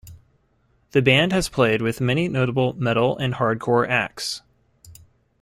The band has played with many notable Metal and Hardcore acts.